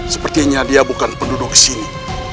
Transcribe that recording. sepertinya dia bukan penduduk sini